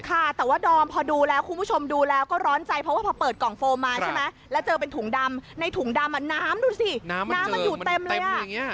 ค่ะแต่ว่าดอมพอดูแล้วคุณผู้ชมดูแล้วก็ร้อนใจเพราะว่าพอเปิดกล่องโฟมมาใช่ไหมแล้วเจอเป็นถุงดำในถุงดำอ่ะน้ำดูสิน้ำมันอยู่เต็มเลยอ่ะ